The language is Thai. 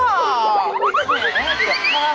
โอ๊ยจ้าพราจ